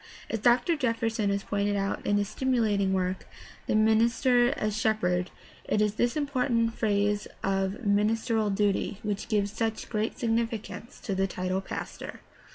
As Dr. Jefferson has pointed out in his stimulating work, The Minister as Shep herd, it is this important phase of ministerial duty which gives such great significance to the title ''pastor."